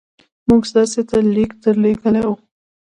موږ تاسي ته لیک درلېږلی وو.